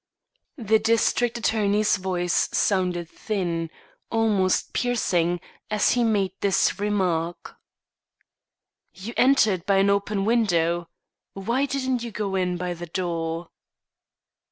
The district attorney's voice sounded thin, almost piercing, as he made this remark: "You entered by an open window. Why didn't you go in by the door?"